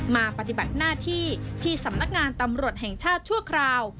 มาปฏิบัติหน้าที่ที่สำนักงานตำรวจแห่งชาติชั่วคราว